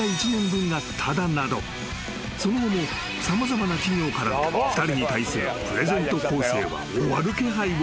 ［その後も様々な企業から２人に対するプレゼント攻勢は終わる気配を見せず］